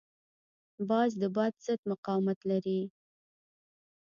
باز د باد ضد مقاومت لري